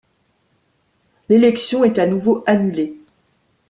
L'élection est à nouveau annulée.